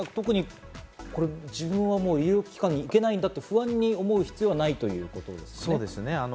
自分は医療機関に行けないんだと不安に思う必要はないということですね。